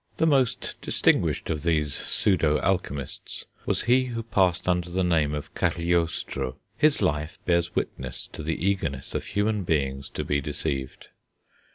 The most distinguished of these pseudo alchemists was he who passed under the name of Cagliostro. His life bears witness to the eagerness of human beings to be deceived.